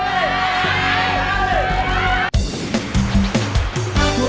ให้ให้ให้